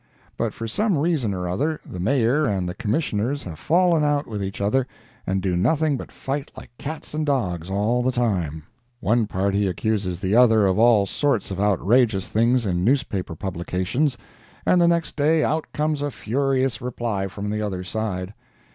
But for some reason or other the Mayor and the Commissioners have fallen out with each other and do nothing but fight like cats and dogs all the time. One party accuses the other of all sorts of outrageous things in newspaper publications, and the next day out comes a furious reply from the other side.